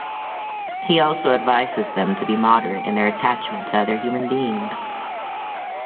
He also advices them to be moderate in their attachment to other human beings.